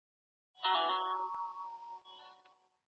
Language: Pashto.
له یوازیني ګټندوی څخه بې برخي نه سي.